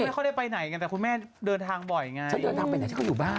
ไม่ค่อยได้ไปไหนกันแต่คุณแม่เดินทางบ่อยไงฉันเดินทางไปไหนฉันก็อยู่บ้าน